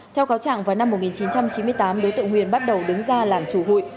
theo cáo trạng vào năm một nghìn chín trăm chín mươi tám đối tượng huyền bắt đầu đứng ra làm chủ hụi